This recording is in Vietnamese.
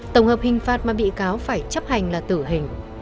tổng hợp hình phạt mà bị cáo phải chấp hành là tử hình